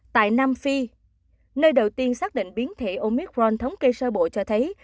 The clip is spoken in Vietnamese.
tại nam phi nơi đầu tiên xác định biến thể omicron thống kê sơ bộ cho thấy